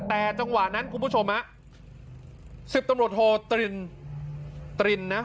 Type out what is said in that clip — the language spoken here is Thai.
แต่จังหวะนั้นคุณผู้ชมฮะสิบตำรวจโทตรินตรินนะ